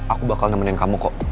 aku bakal nemenin kamu kok